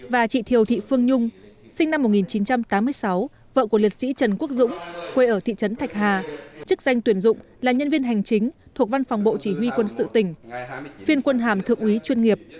và chị thiều thị phương nhung sinh năm một nghìn chín trăm tám mươi sáu vợ của liệt sĩ trần quốc dũng quê ở thị trấn thạch hà chức danh tuyển dụng là nhân viên hành chính thuộc văn phòng bộ chỉ huy quân sự tỉnh phiên quân hàm thượng úy chuyên nghiệp